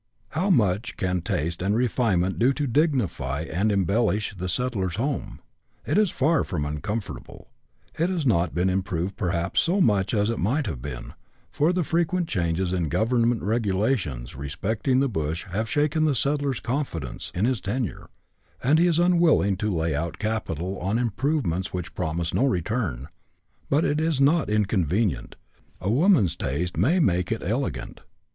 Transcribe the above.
How much can taste and refinement do to dignify and embellish the settler's home ! It is far from uncomfortable ; it has not been improved perhaps so much as it might have been, for the frequent changes in the government regulations respecting the bush have shaken the settler's confidence in his tenure, and he is unwilling to lay out capital on improvements which promise no return : but it is not inconvenient, and woman's taste may make it elegant.